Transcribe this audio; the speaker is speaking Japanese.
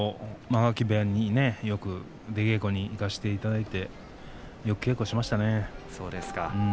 間垣部屋によく出稽古に行かせていただいてよく稽古しましたね。